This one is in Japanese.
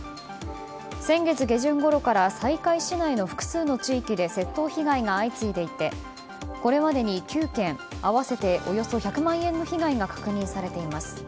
先月下旬ごろから西海市内の複数の地域で窃盗被害が相次いでいてこれまでに９件合わせておよそ１００万円の被害が確認されています。